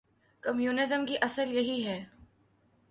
Communism کی اصل یہی ہے۔